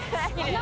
何？